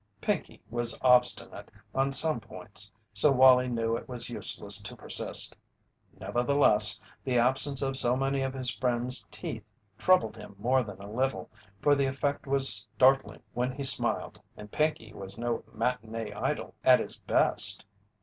Pinkey was obstinate on some points, so Wallie knew it was useless to persist; nevertheless, the absence of so many of his friend's teeth troubled him more than a little, for the effect was startling when he smiled, and Pinkey was no matinee idol at his best.